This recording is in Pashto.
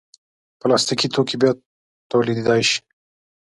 پلاستيکي توکي بیا تولیدېدای شي.